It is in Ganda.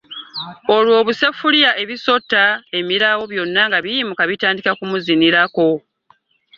Olwo obuseffuliya, ebisotta, emirawo, byonna nga biyimuka bitandika okumuzinirako.